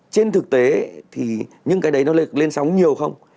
trên thực tế thì những cái đấy nó lên sóng nhiều không